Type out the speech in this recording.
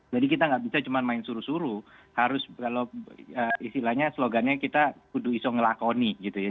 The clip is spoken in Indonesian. jadi kita enggak bisa cuma main suru suru harus kalau istilahnya slogannya kita kudu iso ngelakoni gitu ya